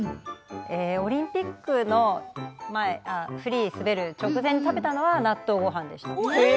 オリンピックの前フリー滑る直前に食べたのは納豆ごはんでした。